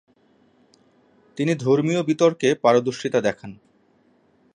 তিনি ধর্মীয় বিতর্কে পারদর্শিতা দেখান।